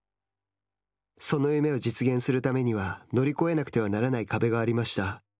その夢を実現するためには乗り越えなくてはならない壁がありました。